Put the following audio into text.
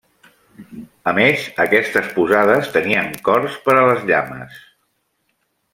A més, aquestes posades tenien corts per a les llames.